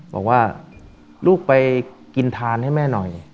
บอกว่าลูกไปกินทานให้แม่หน่อย